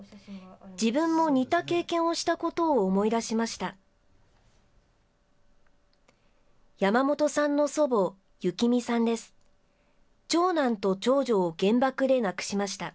自分も似た経験をしたことを思い出しました。